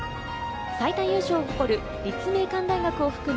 最多優勝を誇る立命館大学を含む